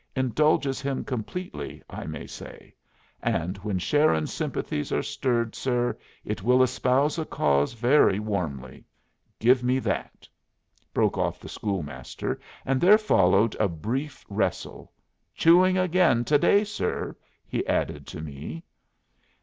Indulges him completely, I may say. And when Sharon's sympathies are stirred sir, it will espouse a cause very warmly Give me that!" broke off the schoolmaster, and there followed a brief wrestle. "Chewing again to day, sir," he added to me.